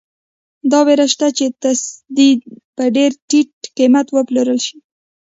دا وېره شته چې تصدۍ په ډېر ټیټ قیمت وپلورل شي.